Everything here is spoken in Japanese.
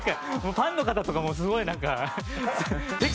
ファンの方とかもすごいなんか。